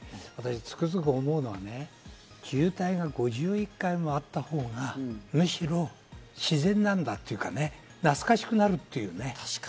つくづく思うのは、渋滞が５１回もあったほうが、むしろ自然なんだというかね、懐かしくなるというね。